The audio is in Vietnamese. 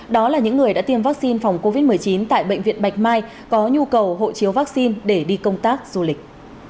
đó là những người đã tiêm vaccine phòng covid một mươi chín tại bệnh viện bạch mai có nhu cầu hộ chiếu vaccine để đi công tác du lịch